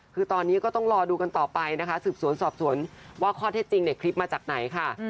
คือตอนนี้ก็ต้องรอดูกันต่อไปนะคะสืบสวนสอบสวนว่าข้อเท็จจริงเนี่ยคลิปมาจากไหนค่ะ